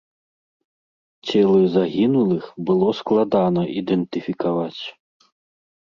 Целы загінулых было складана ідэнтыфікаваць.